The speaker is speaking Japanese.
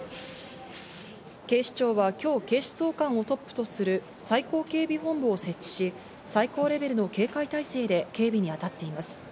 警視庁は今日、警視総監をトップとする最高警備本部を設置し、最高レベルの警戒態勢で警備に当たっています。